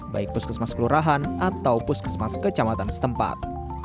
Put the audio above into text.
baik puskesmas kelurahan atau puskesmas kecamatan setempat